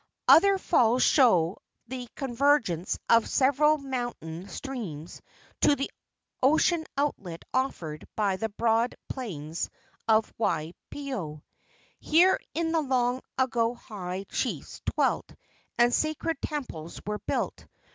Other falls show the convergence of several moun¬ tain streams to the ocean outlet offered by the broad plains of Waipio. Here in the long ago high chiefs dwelt and sacred temples were built.